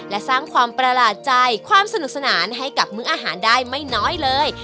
และสร้างความประหลาดใจความสนุกสนานให้กับมื้ออาหารได้ไม่น้อยเลย